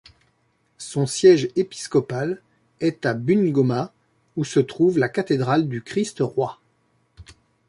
Son siège épiscopal est à Bungoma où se trouve la cathédrale du Christ Roi.